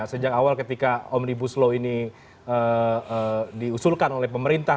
sejak awal ketika omnibus law ini diusulkan oleh pemerintah